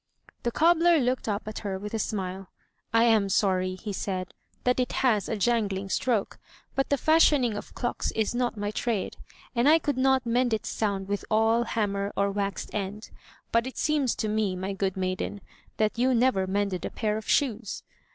The cobbler looked up at her with a smile. "I am sorry,'* he said, "that it has a jangling stroke, but the fashioning of clocks is not my trade, and I could not mend its sound with awl, hammer, or waxed end. But it seems to me, my good maiden, that you never mended a pair of shoes."